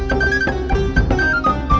oh tanam sawi